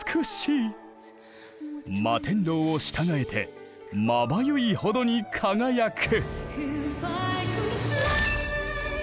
摩天楼を従えてまばゆいほどに輝く！